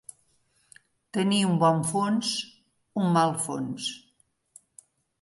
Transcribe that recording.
Tenir un bon fons, un mal fons.